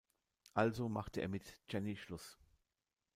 Also macht er mit Jenny Schluss.